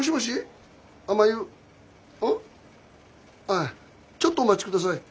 ああちょっとお待ちください。